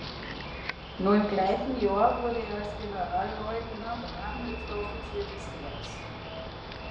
Noch im gleichen Jahr wurde er als Generalleutnant ranghöchster Offizier des Heeres.